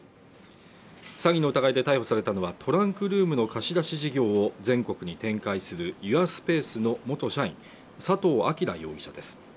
詐欺の疑いで逮捕されたのはトランクルームの貸し出し事業を全国に展開するユアスペースの元社員、佐藤聡容疑者です。